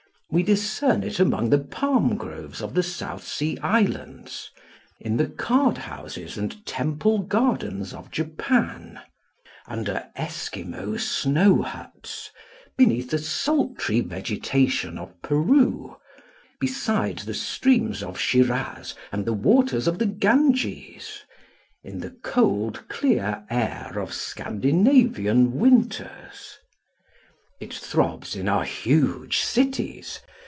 We discern it among the palm groves of the South Sea Islands, in the card houses and temple gardens of Japan, under Esquimaux snow huts, beneath the sultry vegetation of Peru, beside the streams of Shiraz and the waters of the Ganges, in the cold clear air of Scandinavian winters. It throbs in our huge cities.